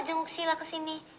jenguk sila kesini